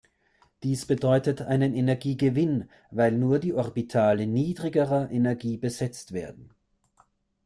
Dies bedeutet einen Energiegewinn, weil nur die Orbitale niedrigerer Energie besetzt werden.